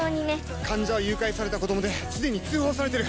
患者は誘拐された子供ですでに通報されてる！